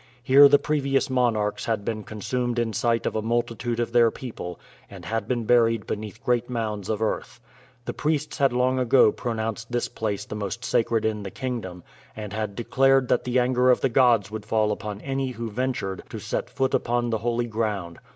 Here the previous monarchs had been consumed in sight of a multitude of their people, and had been buried beneath great mounds of earth. The priests had long ago pronounced this place the most sacred in the kingdom, and had declared that the anger of the gods would fall upon any who ventured to set foot upon the holy ground.